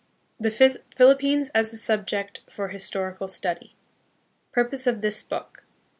THE PHILIPPINES AS A SUBJECT FOR HISTORICAL STUDY. Purpose of this Book.